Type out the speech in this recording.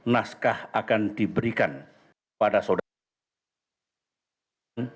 naskah akan diberikan pada saudara sudi siralahi